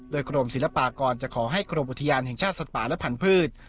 โดยกรมศิลปากรจะขอให้กรมอุทยานแห่งชาติสัตว์ป่าและพันธุ์